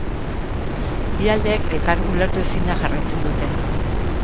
Bi aldeek elkar ulertu ezinda jarraitzen dute.